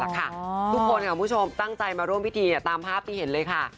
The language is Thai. ทุกคนค่ะคุณผู้ชมตั้งใจมาร่วมพิธีตามภาพที่เห็นเลยค่ะ